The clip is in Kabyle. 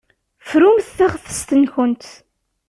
Frumt taɣtest-nkent.